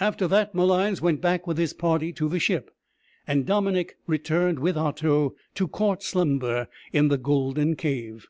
After that Malines went back with his party to the ship, and Dominick returned with Otto to court slumber in the golden cave.